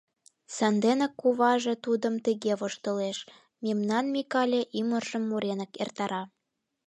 Санденак куваже тудым тыге воштылеш: «Мемнан Микале ӱмыржым муренак эртара.